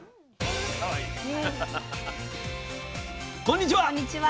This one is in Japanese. こんにちは。